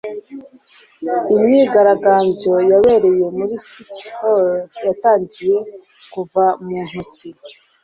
imyigaragambyo yabereye muri city hall yatangiye kuva mu ntoki